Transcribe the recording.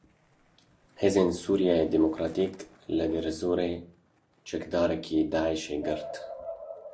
Hêzên Sûriya Demokratîk li Dêrezorê çekdarekî Daişê girt.